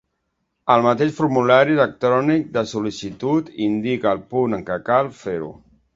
El mateix formulari electrònic de sol·licitud indica el punt en què cal fer-ho.